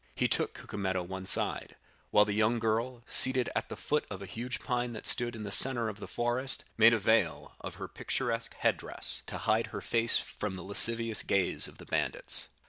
He took Cucumetto one side, while the young girl, seated at the foot of a huge pine that stood in the centre of the forest, made a veil of her picturesque head dress to hide her face from the lascivious gaze of the bandits.